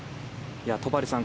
戸張さん